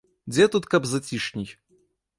Дзе тут каб зацішней.